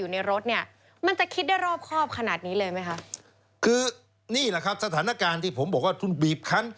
นี่เหรอเค้าสถานการณ์ที่ผมบอกว่าทุนบีบขั้น